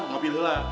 kopi dulu lah